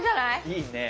いいね。